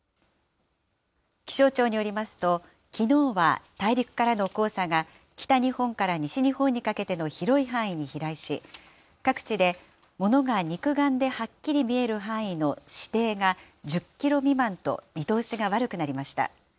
気象庁によりますと、きのうは大陸からの黄砂が北日本から西日本にかけての広い範囲に飛来し、各地で物が肉眼ではっきり見える範囲の視程が１０キロ未満と見通しが悪くなりました。